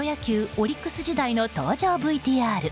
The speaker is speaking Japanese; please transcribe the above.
オリックス時代の登場ＶＴＲ。